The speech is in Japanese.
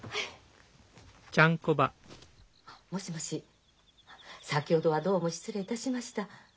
あっもしもし先ほどはどうも失礼いたしました。